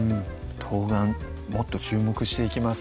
冬瓜もっと注目していきます